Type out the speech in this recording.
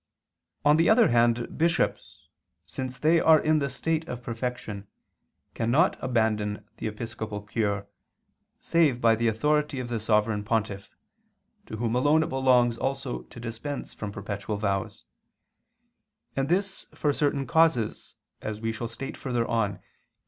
On the other hand bishops, since they are in the state of perfection, cannot abandon the episcopal cure, save by the authority of the Sovereign Pontiff (to whom alone it belongs also to dispense from perpetual vows), and this for certain causes, as we shall state further on (Q.